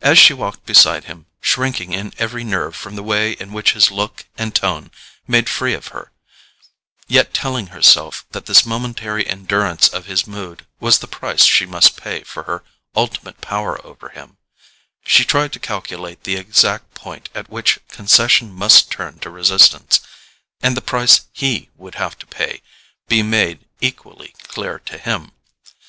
As she walked beside him, shrinking in every nerve from the way in which his look and tone made free of her, yet telling herself that this momentary endurance of his mood was the price she must pay for her ultimate power over him, she tried to calculate the exact point at which concession must turn to resistance, and the price HE would have to pay be made equally clear to him.